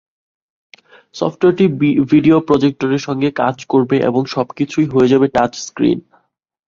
সফটওয়্যারটি ভিডিও প্রজেক্টরের সঙ্গে কাজ করবে এবং সবকিছুই হয়ে যাবে টাচস্ক্রিন।